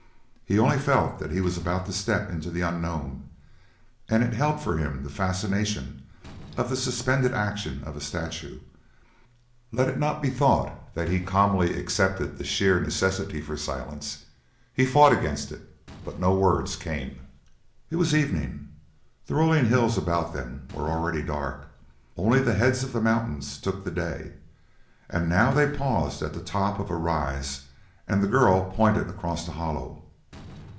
He only felt that he was about to step into the unknown, and it held for him the fascination of the suspended action of a statue. Let it not be thought that he calmly accepted the sheer necessity for silence. He fought against it, but no words came. It was evening: the rolling hills about them were already dark; only the heads of the mountains took the day; and now they paused at the top of a rise and the girl pointed across the hollow.